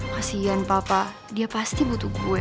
kasian papa dia pasti butuh gue